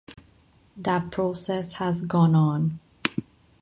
That process has gone on.